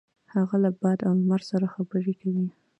هغه له باد او لمر سره خبرې کوي.